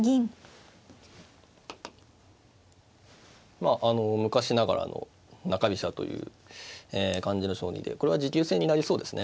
まあ昔ながらの中飛車という感じの将棋でこれは持久戦になりそうですね。